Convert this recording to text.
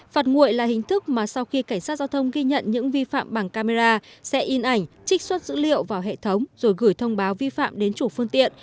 phạt nguội là hình thức mà sau khi cảnh sát giao thông ghi nhận những vi phạm bằng camera sẽ in ảnh trích xuất dữ liệu vào hệ thống rồi gửi thông báo vi phạm đến chủ phương tiện